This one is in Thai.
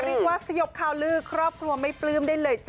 เรียกว่าสยบข่าวลือครอบครัวไม่ปลื้มได้เลยจ้